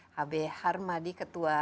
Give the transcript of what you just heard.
hb harmadi ketua